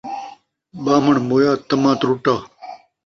ٻان٘بھݨ مویا طمع ترٹا